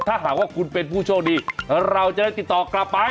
ถ้าหากว่าคุณเป็นผู้โชคดีเราจะได้ติดต่อกลับไป